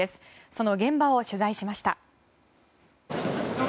その現場を取材しました。